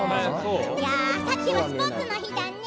あさってはスポーツの日だね。